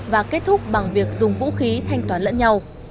và kết thúc bằng việc dùng vũ khí thanh toán lẫn nhau